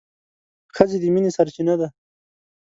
ښځه د مينې سرچينه ده